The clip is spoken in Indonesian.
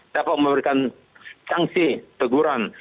dapat memberikan sanksi teguran